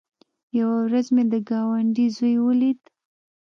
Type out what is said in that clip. يوه ورځ مې د گاونډي زوى وليد.